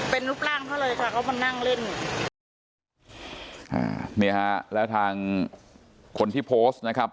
เป็นรูปร่างเขาเลยค่ะเขามานั่งเล่นอ่าเนี่ยฮะแล้วทางคนที่โพสต์นะครับ